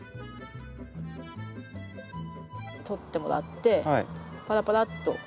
取ってもらってパラパラっと。